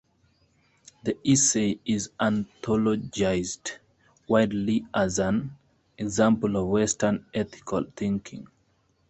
The essay is anthologized widely as an example of Western ethical thinking.